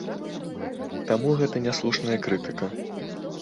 Таму гэта няслушная крытыка.